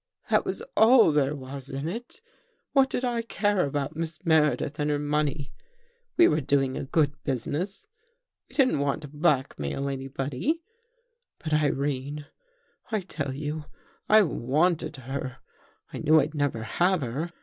" That was all there was in it. What did I care about Miss Meredith and her money? We were doing a good business. We didn't want to black mail anybody. But Irene ... I tell you I wanted her. I knew I'd never have her.